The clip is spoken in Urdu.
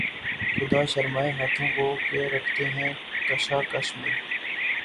خدا شرمائے ہاتھوں کو کہ رکھتے ہیں کشاکش میں